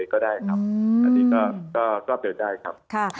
ขอให้ทุกคันเลยก็ได้ครับอันนี้ก็เปิดได้ครับ